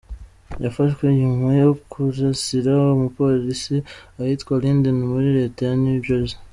Yafashwe nyuma yo kurasira umupolisi ahitwa Linden muri leta ya New Jersey.